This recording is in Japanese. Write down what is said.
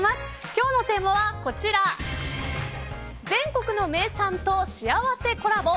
今日のテーマは全国の名産としあわせコラボ